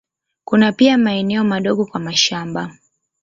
Kuna pia maeneo madogo kwa mashamba.